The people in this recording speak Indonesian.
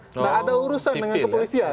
tidak ada urusan dengan kepolisian